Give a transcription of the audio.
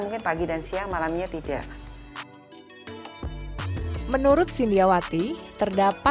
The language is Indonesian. terkait dengan makan malam terutama bagi mereka